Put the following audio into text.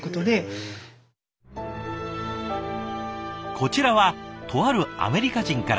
こちらはとあるアメリカ人から。